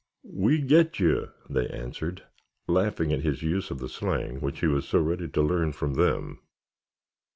"We get you," they answered, laughing at his use of the slang which he was so ready to learn from them.